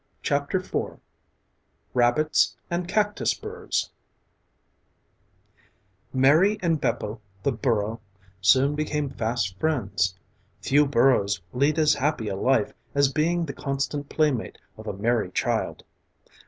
RABBITS AND CACTUS BURRS MARY and Bepo, the burro, soon became fast friends. Few burros lead as happy a life as being the constant playmate of a merry child.